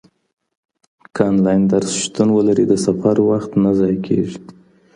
که انلاين درس شتون ولري د سفر وخت نه ضايع کيږي.